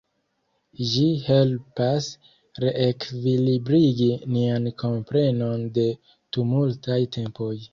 Ĝi helpas reekvilibrigi nian komprenon de tumultaj tempoj.